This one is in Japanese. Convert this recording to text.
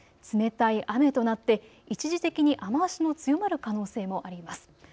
冷たい雨となって一時的に雨足の強まる可能性もあります。